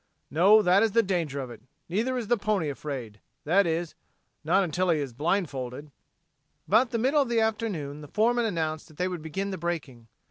"No, that is the danger of it. Neither is the pony afraid that is, not until he is blindfolded." About the middle of the afternoon the foreman announced that they would begin the breaking.